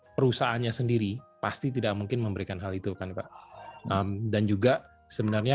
perusahaannya sendiri pasti tidak mungkin memberikan hal itu kan pak dan juga sebenarnya